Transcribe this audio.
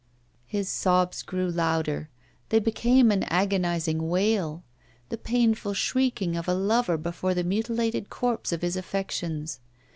His sobs grew louder; they became an agonising wail; the painful shrieking of a lover before the mutilated corpse of his affections.